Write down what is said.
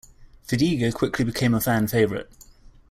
Fadiga quickly became a fan favorite.